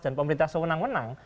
dan pemerintah sewenang wenang